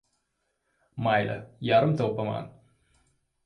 Mayli, yarimta o‘paman.